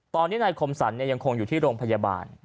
ตอนนี้นายคมสรรยังคงอยู่ที่โรงพยาบาล